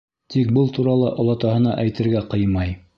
Тик был турала олатаһына әйтергә ҡыймай.